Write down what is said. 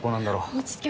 落ち着け